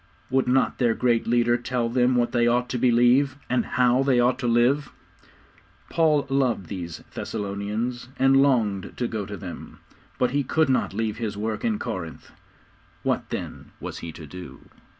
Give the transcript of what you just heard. Would not their great leader tell them what they ought to believe, and how they ought to live? Paul loved these Thessalonians, and longed to go to them. But he could not leave his work in Corinth. What then was he to do?